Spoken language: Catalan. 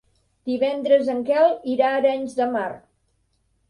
Divendres en Quel irà a Arenys de Mar.